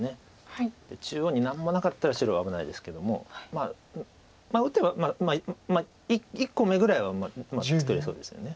中央に何もなかったら白危ないですけどもまあ打てば１個眼ぐらいは作れそうです。